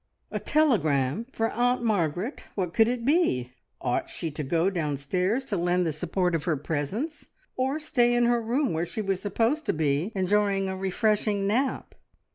A telegram for Aunt Margaret! What could it be? Ought she to go downstairs to lend the support of her presence, or stay in her room where she was supposed to be enjoying a refreshing nap?